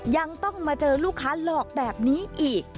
ยังต้องมาเจอลูกค้าหลอกแบบนี้อีก